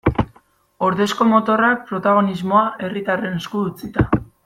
Ordezko motorrak, protagonismoa herritarren esku utzita.